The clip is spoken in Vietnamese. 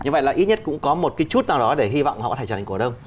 như vậy là ít nhất cũng có một cái chút nào đó để hy vọng họ có thể trở thành cổ đông